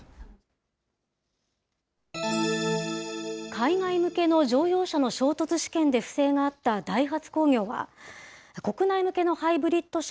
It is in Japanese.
海外向けの乗用車の衝突試験で不正があったダイハツ工業は、国内向けのハイブリッド車